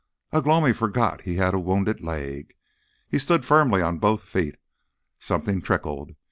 Ugh lomi forgot he had a wounded leg. He stood firmly on both feet. Something trickled.